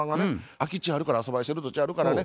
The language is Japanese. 「空き地あるから遊ばしてる土地あるからね